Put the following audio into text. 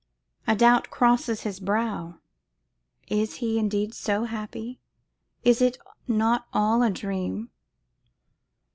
A doubt crosses his brow. Is he indeed so happy; is it not all a dream?